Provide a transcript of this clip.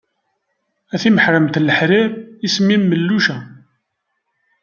A timeḥremt n leḥrir, isem-im melluca.